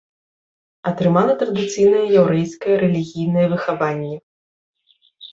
Атрымала традыцыйнае яўрэйскае рэлігійнае выхаванне.